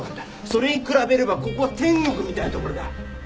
それに比べればここは天国みたいな所だ！